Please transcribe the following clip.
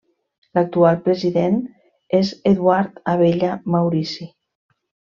L'actual president és Eduard Abella Maurici.